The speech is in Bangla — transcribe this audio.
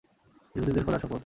ইহুদীদের খোদার শপথ!